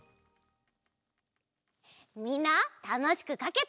みんなたのしくかけた？